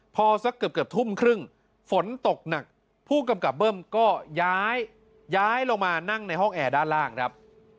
พอสักเกือบทุ่มครึ่งฝนตกหนักผู้กำกับเบิ้มก็ย้ายลงมานั่งในห้องแอร์ด้านล่างครับ